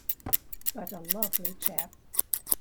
But a lovely chap!